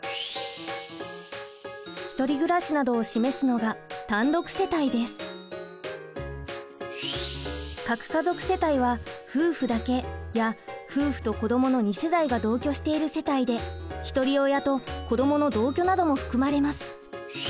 １人暮らしなどを示すのが核家族世帯は夫婦だけや夫婦と子どもの２世代が同居している世帯で一人親と子どもの同居なども含まれます。